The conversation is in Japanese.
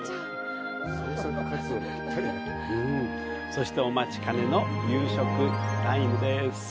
そして、お待ちかねの夕食タイムです。